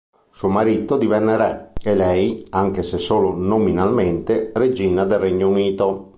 Suo marito divenne re e lei, anche se solo nominalmente, regina del Regno Unito.